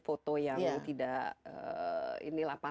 foto yang tidak ini lapan papan